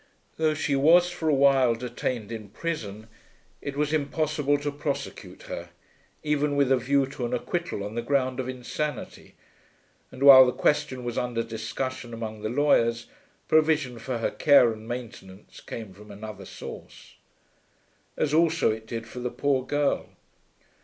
Though she was for a while detained in prison it was impossible to prosecute her, even with a view to an acquittal on the ground of insanity; and while the question was under discussion among the lawyers, provision for her care and maintenance came from another source. As also it did for the poor girl.